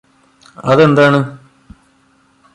അതെന്താണ്